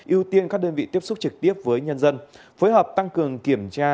ưu tiên các đơn vị tiếp xúc trực tiếp với nhân dân phối hợp tăng cường kiểm tra